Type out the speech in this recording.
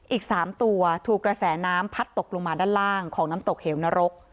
อีก๓ตัวถูกกระแสน้ำพัดตกลงมาด้านล่างของน้ำตกเหวนรก